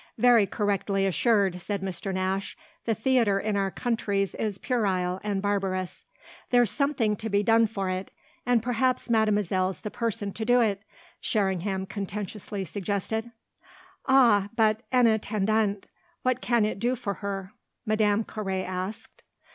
"Very correctly assured," said Mr. Nash. "The theatre in our countries is puerile and barbarous." "There's something to be done for it, and perhaps mademoiselle's the person to do it," Sherringham contentiously suggested. "Ah but, en attendant, what can it do for her?" Madame Carré asked.